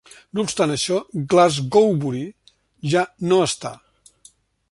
No obstant això Glasgowbury ja no està.